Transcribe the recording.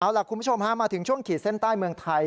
เอาล่ะคุณผู้ชมฮะมาถึงช่วงขีดเส้นใต้เมืองไทย